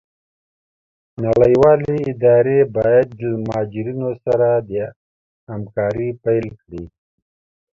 نړيوالي اداري بايد له مهاجرينو سره همکاري پيل کړي.